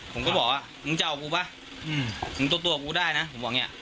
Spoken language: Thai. ผมก็บอกอ่ะมึงจะเอากูป่ะอืมมึงตัวตัวกูได้นะผมบอกอย่างเงี้ย